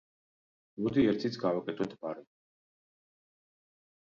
მოდი, ერთიც გავაკეთოთ, ბარემ.